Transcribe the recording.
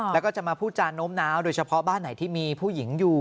แล้วก็จะมาพูดจานโน้มน้าวโดยเฉพาะบ้านไหนที่มีผู้หญิงอยู่